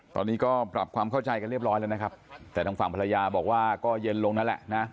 ตอนนี้ก็ปรับความเข้าใจกันเรียบร้อยแล้วนะครับแต่ทางฝั่งภรรยาบอกว่าก็เย็นลงนั่นแหละนะ